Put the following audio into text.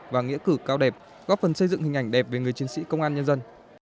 và nghĩa cử cao đẹp góp phần xây dựng hình ảnh đẹp về người chiến sĩ công an nhân dân